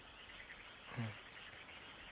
うん。